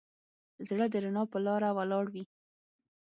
زړه د رڼا په لاره ولاړ وي.